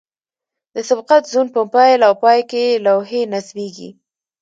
د سبقت زون په پیل او پای کې لوحې نصبیږي